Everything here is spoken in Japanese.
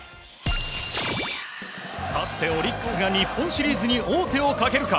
勝ってオリックスが日本シリーズに王手をかけるか。